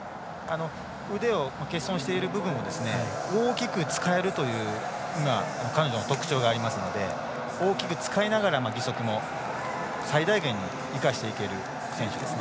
腕を欠損している部分を大きく使えるという彼女の特徴がありますので大きく使いながら義足も最大限に生かしていける選手ですね。